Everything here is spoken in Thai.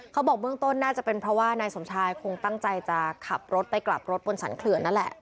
บอกเบื้องต้นน่าจะเป็นเพราะว่านายสมชายคงตั้งใจจะขับรถไปกลับรถบนสรรเขื่อนนั่นแหละ